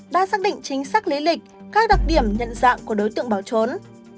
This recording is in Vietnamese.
đã xác định chính xác lý lịch các đặc điểm nhận dạng của đối tượng bảo trốn